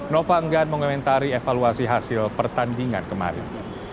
nova enggan mengomentari evaluasi hasil pertandingan kemarin